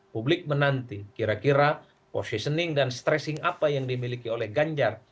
publik menanti kira kira positioning dan stressing apa yang dimiliki oleh ganjar